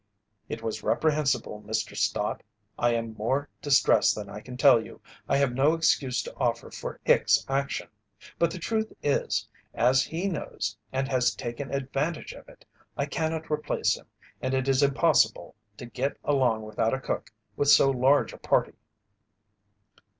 "It was reprehensible, Mr. Stott, I am more distressed than I can tell you. I have no excuse to offer for Hicks' action, but the truth is, as he knows and has taken advantage of it, I cannot replace him and it is impossible to get along without a cook with so large a party."